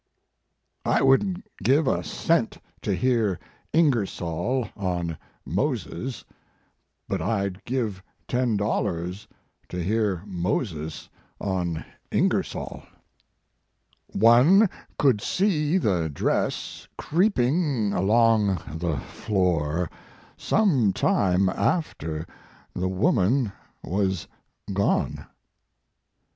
"I wouldn t give a cent to hear Inger soll on Moses, but I d give ten dollars to hear Moses on Ingersoll." His Life and Work. "One could see the dress creeping along the floor some time after the woman was gone."